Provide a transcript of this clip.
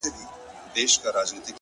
• د دې قوم نصیب یې کښلی پر مجمر دی,